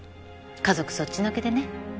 家族そっちのけでね。